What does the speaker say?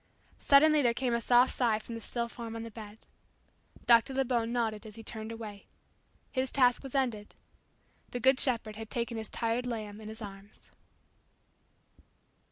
Suddenly there came a soft sigh from the still form on the bed. Dr. Lebon nodded as he turned away. His task was ended. The Good Shepherd had taken His tired lamb in His arms.